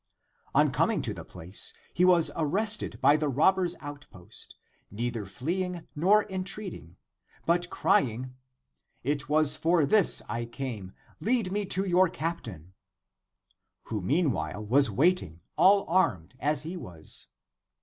On coming to the place, he was arrested by the robbers' outpost ; neither fleeing nor entreating, but crying, " It was for this I came. Lead me to your captain;" who meanwhile was waiting, all armed as he was.